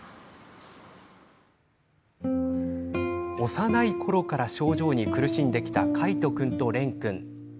幼いころから症状に苦しんできた海斗君と蓮君。